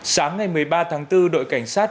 sáng ngày một mươi ba tháng bốn đội cảnh sát